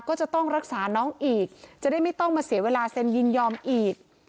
ก็จะต้องรักษาน้องอีกจะได้ไม่ต้องมาเสียเวลาเซ็นยินยอมอีก